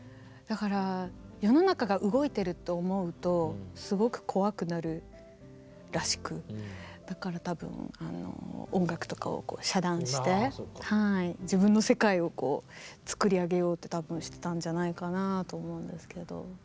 だから世の中が動いてると思うとすごく怖くなるらしくだから多分音楽とかを遮断して自分の世界を作り上げようと多分してたんじゃないかなと思うんですけど。